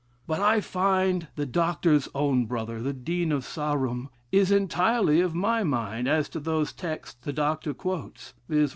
"But, I find the Dr.'s own brother, the Dean of Sa rum, is entirely of my mind, as to those texts the Dr. quotes viz.